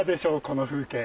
この風景。